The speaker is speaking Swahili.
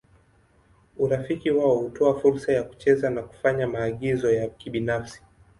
Urafiki wao hutoa fursa ya kucheza na kufanya maagizo ya kibinafsi.